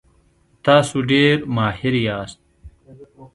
تاسو ډیر ماهر یاست.